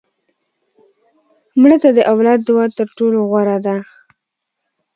مړه ته د اولاد دعا تر ټولو غوره ده